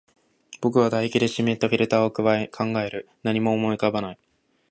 僕は唾液で湿ったフィルターを咥え、考える。何も思い浮かばない。